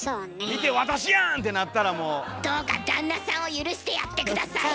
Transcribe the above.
見て「私やん！」ってなったらもう。どうか旦那さんを許してやって下さい。